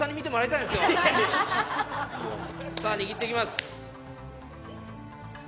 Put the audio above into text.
さぁ握っていきます。